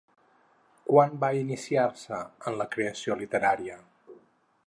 Quan va iniciar-se en la creació literària?